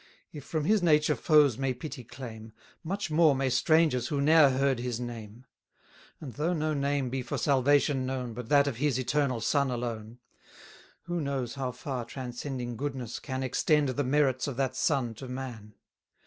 If from His nature foes may pity claim, 190 Much more may strangers who ne'er heard His name. And though no name be for salvation known, But that of his Eternal Son alone; Who knows how far transcending goodness can Extend the merits of that Son to man?